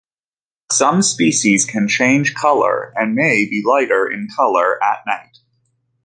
Some species can change colour and may be lighter in colour at night.